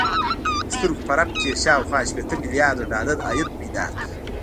د سترګو په رپ کې يې شاوخوا شپېته ميليارده ډالر عايد پيدا کړ.